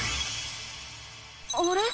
あれ？